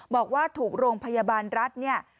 บอกว่าถูกโรงพยาบาลรัฐเนี่ย